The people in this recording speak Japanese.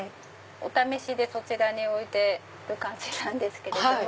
お試しでそちらに置いてる感じなんですけれども。